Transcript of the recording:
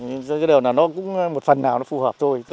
nhưng cái điều là nó cũng một phần nào nó phù hợp thôi